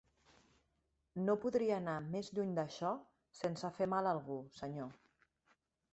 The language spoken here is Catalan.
No podria anar més lluny d'això, sense fer mal a algú, senyor.